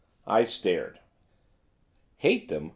I stared. 'Hate them?